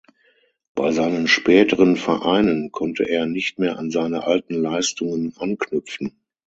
Bei seinen späteren Vereinen konnte er nicht mehr an seine alten Leistungen anknüpfen.